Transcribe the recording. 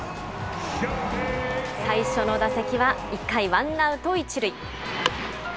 最初の打席は１回、ワンアウト１塁。